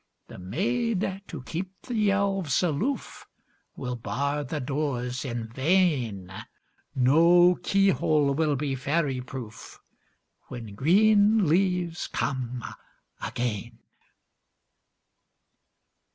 The maids, to keep the elves aloof, Will bar the doors in vain ; No key hole will be fairy proof, When green leaves come again.